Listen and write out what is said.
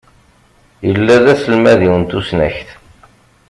Illa d aselmad-iw n tusnakt.